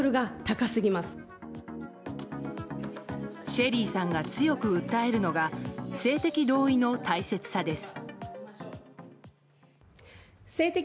ＳＨＥＬＬＹさんが強く訴えるのが性的同意の大切さです。